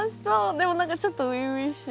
でもなんかちょっと初々しい。